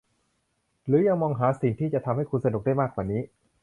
หรือยังมองหาสิ่งที่จะทำให้คุณสนุกได้มากกว่านี้